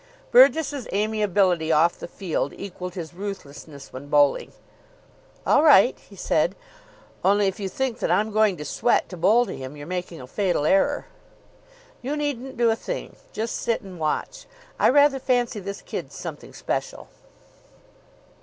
Burgess's amiability off the field equalled his ruthlessness when bowling. "All right," he said. "Only if you think that I'm going to sweat to bowl to him, you're making a fatal error." "You needn't do a thing. Just sit and watch. I rather fancy this kid's something special."